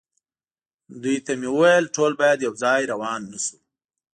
دوی ته مې وویل: ټول باید یو ځای روان نه شو.